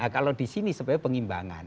kalau di sini sebagai pengimbangan